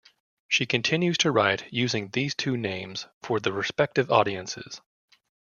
She continues to write using these two names for the respective audiences.